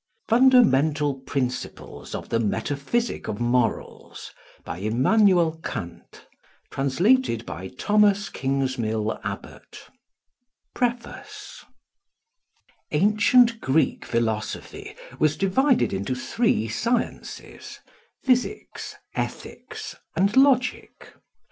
1785 FUNDAMENTAL PRINCIPLES OF THE METAPHYSIC OF MORALS by Immanuel Kant translated by Thomas Kingsmill Abbott PREFACE Ancient Greek philosophy was divided into three sciences: physics, ethics, and logic.